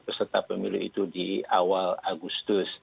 peserta pemilu itu di awal agustus